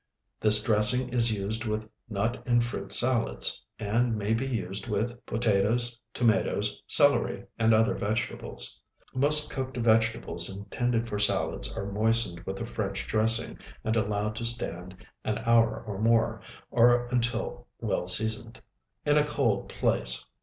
This dressing is used with nut and fruit salads, and may be used with potatoes, tomatoes, celery, and other vegetables. Most cooked vegetables intended for salads are moistened with a French dressing and allowed to stand an hour or more, or until well seasoned, in a cold place.